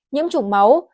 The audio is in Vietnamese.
nhiễm trùng máu